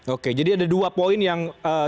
oke jadi ada dua poin yang tadi kang maman highlight